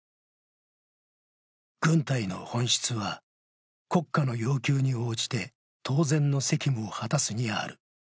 軍隊の本質は国家の要求に応じて当然の責務を果たすにある。